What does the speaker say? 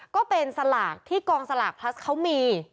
ก็เป็นสลากที่กองสลากพลัสเขามี